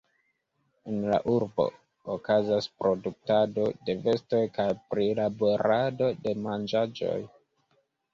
En la urbo okazas produktado de vestoj kaj prilaborado de manĝaĵoj.